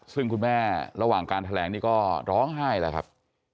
ซึ่งคุณแม่ระหว่างการแถลงนี่ก็ร้องไห้แล้วครับ